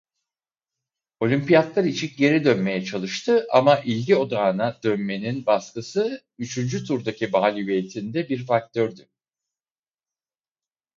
Olimpiyatlar için geri dönmeye çalıştı ama ilgi odağına dönmenin baskısı üçüncü turdaki mağlubiyetinde bir faktördü.